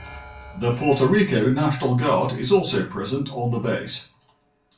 The Puerto Rico National Guard is also present on the base.